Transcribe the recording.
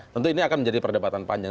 tentu ini akan menjadi perdebatan panjang